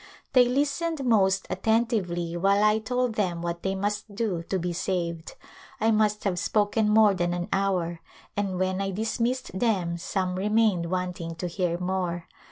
They listened most attentively while I told them what they must do to be saved. I must have spoken more than an hour, and when I dismissed them some re mained wanting to hear more.